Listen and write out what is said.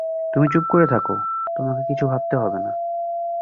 তুমি চুপ করে থাকো, তোমাকে কিছু ভাবতে হবে না।